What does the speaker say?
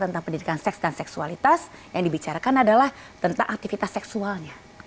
tentang pendidikan seks dan seksualitas yang dibicarakan adalah tentang aktivitas seksualnya